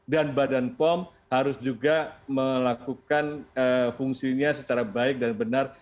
dan badan pom harus juga melakukan fungsinya secara baik dan benar